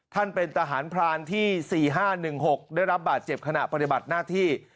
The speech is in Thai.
เป็นทหารพรานที่๔๕๑๖ได้รับบาดเจ็บขณะปฏิบัติหน้าที่